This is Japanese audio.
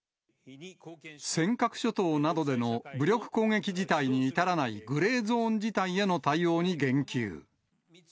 尖閣諸島などでの武力攻撃事態に至らないグレーゾーン事態への対応に言及。